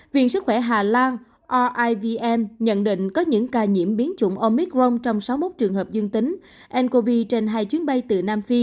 viện sức khỏe hà lan rivm nhận định có những ca nhiễm biến chủng omic rong trong sáu mươi một trường hợp dương tính ncov trên hai chuyến bay từ nam phi